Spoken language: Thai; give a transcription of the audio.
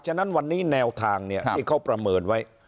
ฉะนั้นวันนี้แนวทางที่เขาประเมินไว้